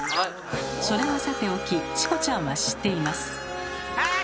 それはさておきチコちゃんは知っています。